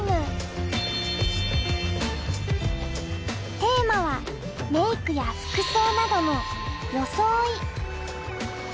テーマはメークや服装などの「よそおい」。